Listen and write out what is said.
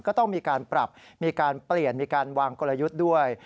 ก็ต้องมีการปรับมีการเปลี่ยนมีการวางกลยุทธ์ด้วย